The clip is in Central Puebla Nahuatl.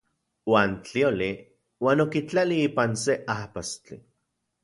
Uan tlioli uan okitlali ipan se ajpastli.